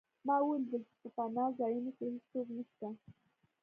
ما ولیدل چې په پناه ځایونو کې هېڅوک نشته